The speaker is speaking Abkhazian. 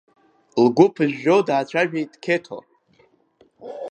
Лгәы ԥыжәжәо даацәажәеит Қьеҭо.